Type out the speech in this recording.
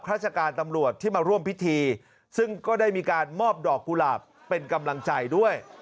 ราชการตำรวจที่มาร่วมพิธีซึ่งก็ได้มีการมอบดอกกุหลาบเป็นกำลังใจด้วย